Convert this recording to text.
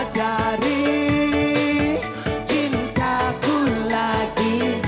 dari cintaku lagi